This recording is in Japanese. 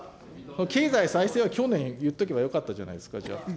経済再生は去年言っておけばよかったじゃないですか。